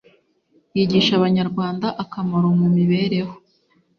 yigisha abanyarwanda akamaro mu mibereho